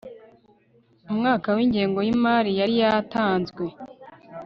umwaka wingengo yimari yari yatanzwe